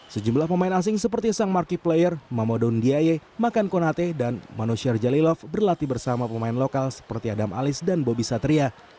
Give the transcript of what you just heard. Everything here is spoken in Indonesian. sejumlah pemain asing seperti sang marquee player mama don diaye makan konate dan manusher jalilov berlatih bersama pemain lokal seperti adam alis dan bobby satria